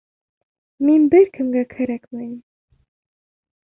Мин бер кемгә кәрәкмәйем...